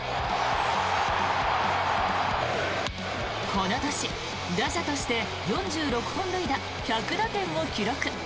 この年、打者として４６本塁打１００打点を記録。